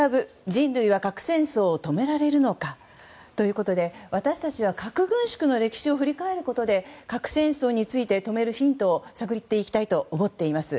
人類は核戦争を止められるのかということで私たちは核軍縮の歴史を振り返ることで核戦争について止めるヒントを探っていきたいと思っています。